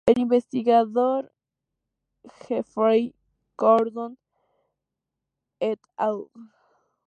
El investigador Jeffrey Gordon "et al.